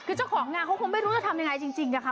คือเจ้าของงานเขาคงไม่รู้จะทำยังไงจริงนะคะ